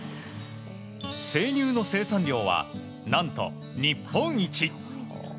生乳の生産量は何と日本一。